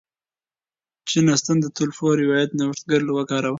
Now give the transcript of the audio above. جین اسټن د ټولپوه روایت نوښتګر وکاراوه.